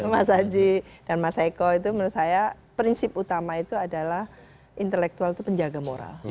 mas haji dan mas eko itu menurut saya prinsip utama itu adalah intelektual itu penjaga moral